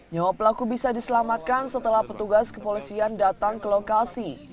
nyawa pelaku bisa diselamatkan setelah petugas kepolisian datang ke lokasi